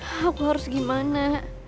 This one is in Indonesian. aku harus gimana